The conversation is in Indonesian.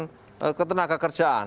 ya harusnya misalnya kementerian perhubungan